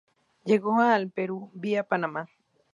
Llegó al Perú vía Panamá.